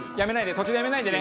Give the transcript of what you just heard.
途中でやめないでね。